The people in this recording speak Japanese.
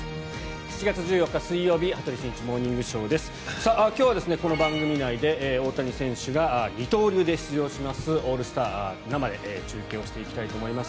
７月１４日、水曜日「羽鳥慎一モーニングショー」。今日はこの番組内で大谷選手が二刀流で出場しますオールスター、生で中継をしていきたいと思います。